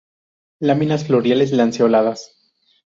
Láminas foliares lanceoladas.